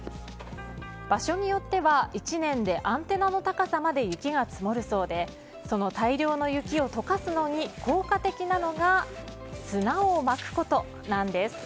場所によっては１年でアンテナの高さまで雪が積もるそうでその大量の雪を解かすのに効果的なのが砂をまくことなんです。